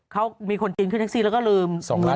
เขามีคนจีนขึ้นแท็กซี่แล้วก็ลืม